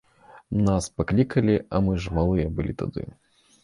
Нас паклікалі, а мы ж малыя былі тады.